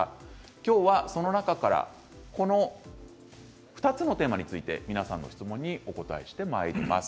今日はその中からこの２つのテーマについて皆さんの質問にお答えしてまいります。